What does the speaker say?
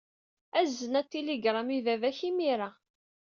Azen atiligṛam i baba-k imir-a.